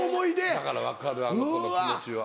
だから分かるあの人の気持ちは。